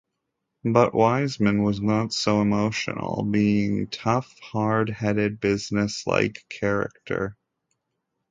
But Weizmann was not so emotional; being tough hard-headed business-like character.